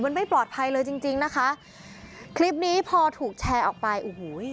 มันไม่ปลอดภัยเลยจริงจริงนะคะคลิปนี้พอถูกแชร์ออกไปโอ้โห